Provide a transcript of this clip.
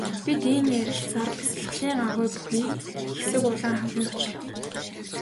Бид ийн ярилцсаар бясалгалын агуй бүхий хэсэг улаан хаданд очлоо.